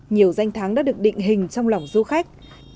nhiều danh thắng đã được định hình trong lòng du khách